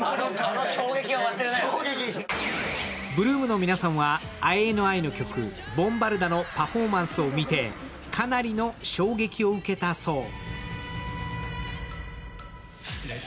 ８ＬＯＯＭの皆さんはＩＮＩの曲「ＢＯＭＢＡＲＤＡ」のパフォーマンスを見て、かなりの衝撃を受けたそう。